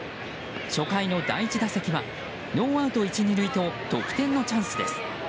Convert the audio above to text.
初回の第１打席はノーアウト１、２塁と得点のチャンスです。